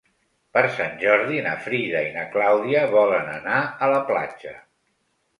Per Sant Jordi na Frida i na Clàudia volen anar a la platja.